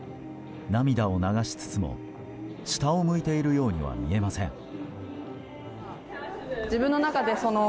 涙を流しつつも下を向いているようには見えません。